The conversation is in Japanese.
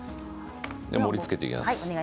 盛りつけていきます。